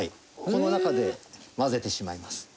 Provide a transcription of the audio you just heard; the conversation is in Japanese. この中で混ぜてしまいます。